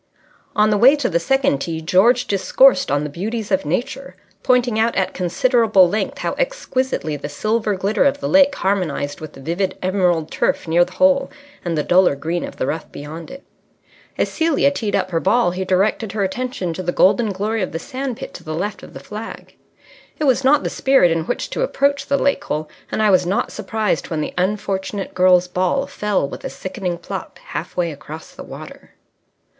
On the way to the second tee George discoursed on the beauties of Nature, pointing out at considerable length how exquisitely the silver glitter of the lake harmonized with the vivid emerald turf near the hole and the duller green of the rough beyond it. As Celia teed up her ball, he directed her attention to the golden glory of the sand pit to the left of the flag. It was not the spirit in which to approach the lake hole, and I was not surprised when the unfortunate girl's ball fell with a sickening plop half way across the water.